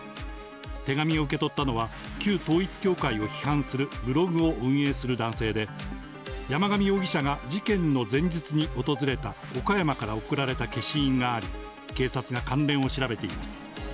手紙を受け取ったのは、旧統一教会を批判するブログを運営する男性で、山上容疑者が事件の前日に訪れた岡山から送られた消印があり、警察が関連を調べています。